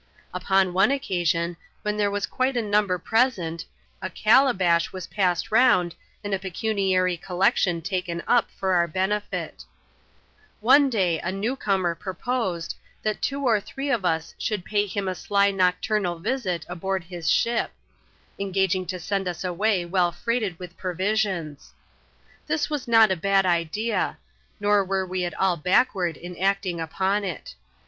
Upon one occasion, when there was quite a number present, a calabash was passed round, and a pecuniary collection taken up for our benefit. One day a new comer proposed, that two or three of us ahoald paj him a sly nocturnal visit aboard his ship ; engaging to send U8 away we& freighted mt\i ^^roNmoa^ T\a&^%& witaM • CHIP. Hi] WE LEVY CONTRIBUTIONS ON SHIPPING. 15d idea ; nor were we at all backward in acting upon it.